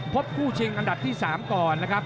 พบคู่ชิงอันดับที่๓ก่อนนะครับ